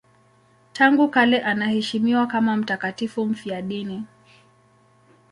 Tangu kale anaheshimiwa kama mtakatifu mfiadini.